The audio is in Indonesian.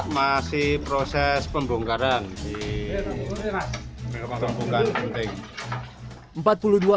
masih proses pembongkaran di tumpukan genting